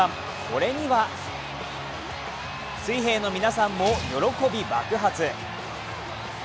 これには水兵の皆さんも喜び爆発。